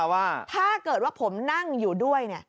ว่าถ้าเกิดว่าผมนั่งอยู่ด้วย